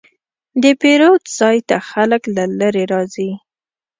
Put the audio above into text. د پیرود ځای ته خلک له لرې راځي.